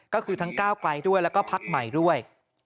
ก็คือทั้งก้าวไกลด้วยแล้วก็พักใหม่ด้วย